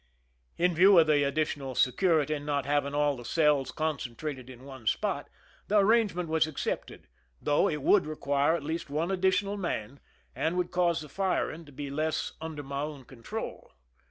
In view of the addi tional security in not having all the cells concen trated in one spot, the arrangement was accepted, although it ^rould require at least one additional man and would cause the firing to be less under my own control.